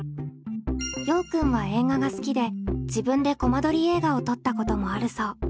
ようくんは映画が好きで自分でコマ撮り映画を撮ったこともあるそう。